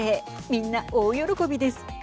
みんな大喜びです。